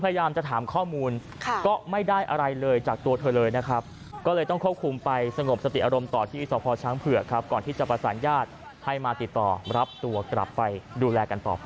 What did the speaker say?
พยายามจะถามข้อมูล